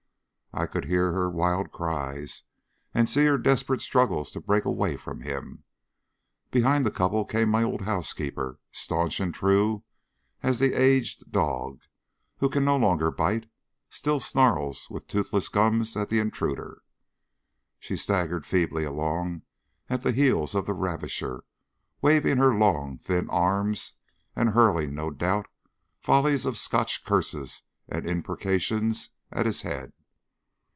I could hear her wild cries and see her desperate struggles to break away from him. Behind the couple came my old housekeeper, staunch and true, as the aged dog, who can no longer bite, still snarls with toothless gums at the intruder. She staggered feebly along at the heels of the ravisher, waving her long, thin arms, and hurling, no doubt, volleys of Scotch curses and imprecations at his head.